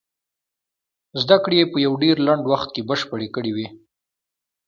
زدکړې يې په يو ډېر لنډ وخت کې بشپړې کړې وې.